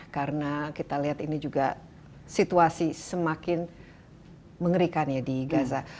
karena kita lihat ini juga situasi semakin mengerikan di gaza